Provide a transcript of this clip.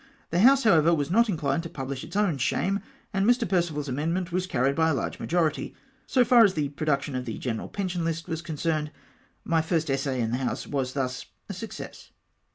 The House, however, was not inclined to pubhsh its own shame, and Mr Perceval's amendment was carried by a large majority. So far as the production of the general pension hst was concerned, my first essay in the House was thus a success.